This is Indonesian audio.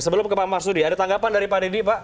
sebelum ke pak masudi ada tanggapan dari pak deddy pak